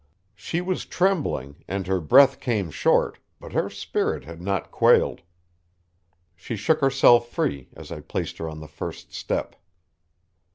She was trembling and her breath came short, but her spirit had not quailed. She shook herself free as I placed her on the first step.